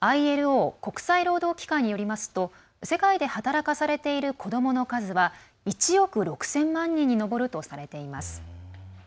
ＩＬＯ＝国際労働機関によりますと世界で働かされている子どもの数は１億６０００万人に上るとされています。